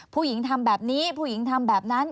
ผู้หญิงทำแบบนี้ผู้หญิงทำแบบนั้น